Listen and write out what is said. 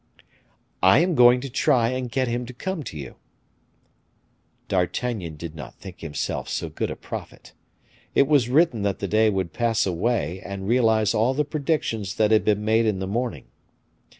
"I am going to try and get him to come to you." D'Artagnan did not think himself so good a prophet. It was written that the day would pass away and realize all the predictions that had been made in the morning.